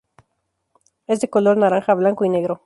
Es de color naranja, blanco y negro.